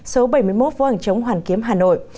số bảy mươi một vũ ảnh chống hoàn kiếm hà nội